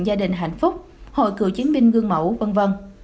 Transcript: gia đình hạnh phúc hội cựu chiến binh gương mẫu v v